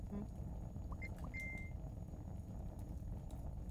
Rais Joe Biden amewataka Wamarekani